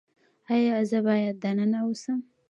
ایا زه باید دننه اوسم؟